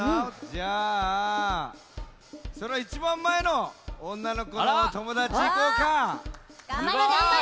じゃあその１ばんまえのおんなのこのおともだちいこうか。がんばれ！